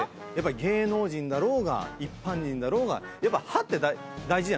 芸能人だろうが一般人だろうが。